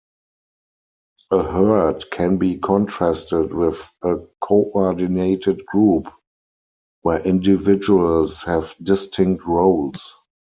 A herd can be contrasted with a coordinated group where individuals have distinct roles.